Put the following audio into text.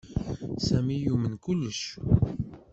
Sami yumen kullec.